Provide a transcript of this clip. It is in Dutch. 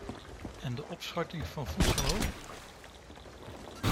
En de opschorting van voedselhulp?